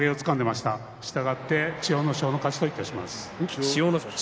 したがって千代翔馬の勝ちといたします。